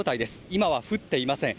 今は降っていません。